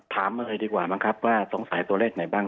ถามมาก่อนดีกว่านะครับว่าสงสัยตัวเลขไหนบ้าง